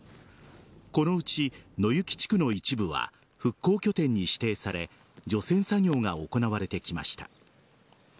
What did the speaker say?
このうち、野行地区の一部は復興拠点に指定され除染作業が行われてきました。